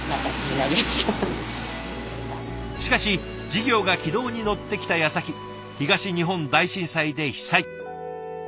しかし事業が軌道に乗ってきたやさき東日本大震災で被災。